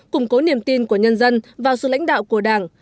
củng cố niềm tin của nhân dân vào sự lãnh đạo của đảng